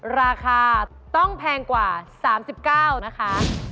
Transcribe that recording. ราคาต้องแพงกว่า๓๙นะคะ